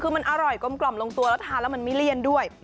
คือมันอร่อยกลมลงตัวแล้วทานแล้วมันไม่เลี่ยนด้วย